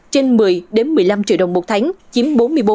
trên một mươi đến một mươi năm triệu đồng một tháng chiếm bốn mươi bốn ba